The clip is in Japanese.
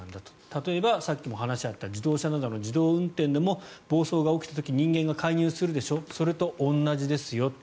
例えば、さっきも話があった自動車などの自動運転でも暴走が起きた時人間が介入するでしょそれと同じですよ。